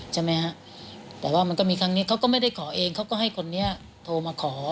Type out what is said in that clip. ใช่ไหมฮะแต่ว่ามันก็มีครั้งนี้เขาก็ไม่ได้ขอเองเขาก็ให้คนนี้โทรมาขอ